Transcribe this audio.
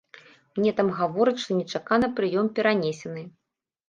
Мне там гавораць, што нечакана прыём перанесены.